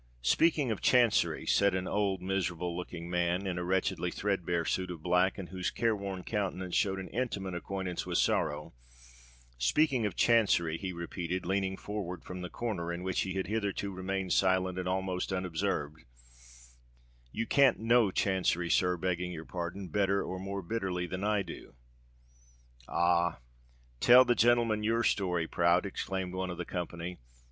"Speaking of Chancery," said an old, miserable looking man, in a wretchedly thread bare suit of black, and whose care worn countenance showed an intimate acquaintance with sorrow,—"speaking of Chancery," he repeated, leaning forward from the corner in which he had hitherto remained silent and almost unobserved,—"you can't know Chancery, sir—begging your pardon—better or more bitterly than I do." "Ah! tell the gentlemen your story, Prout," exclaimed one of the company.